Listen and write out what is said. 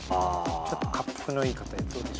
ちょっと恰幅のいい方。